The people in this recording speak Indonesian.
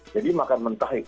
jadi makan mentah